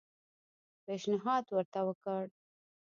پېشنهاد ورته وکړ.